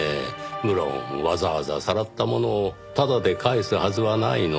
無論わざわざさらったものをタダで返すはずはないので。